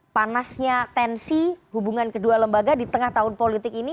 panasnya tensi hubungan kedua lembaga di tengah tahun politik ini